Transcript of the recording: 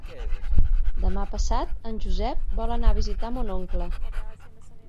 Demà passat en Josep vol anar a visitar mon oncle.